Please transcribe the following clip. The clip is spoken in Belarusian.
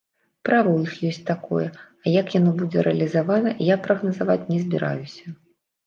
Права ў іх ёсць такое, а як яно будзе рэалізавана, я прагназаваць не збіраюся.